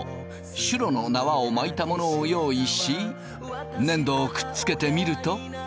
シュロの縄を巻いたものを用意し粘土をくっつけてみると。